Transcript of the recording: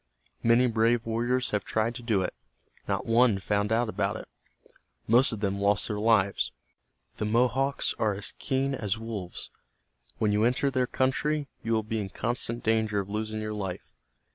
Many brave warriors have tried to do it. Not one found out about it. Most of them lost their lives. The Mohawks are as keen as wolves. When you enter their country, you will be in constant danger of losing your life.